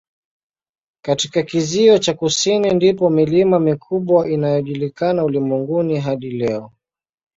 Katika kizio cha kusini ndipo milima mikubwa inayojulikana ulimwenguni hadi leo.